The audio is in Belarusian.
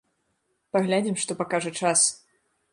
Паглядзім, што пакажа час!